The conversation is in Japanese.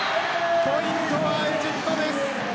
ポイントはエジプトです。